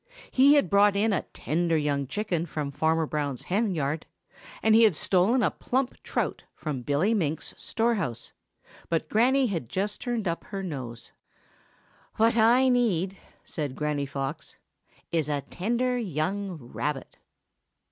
He had brought in a tender young chicken from Farmer Brown's hen yard, and he had stolen a plump trout from Billy Mink's storehouse, but Granny had just turned up her nose. "What I need," said Granny Fox, "is a tender young rabbit."